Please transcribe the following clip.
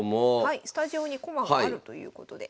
スタジオに駒があるということで是非。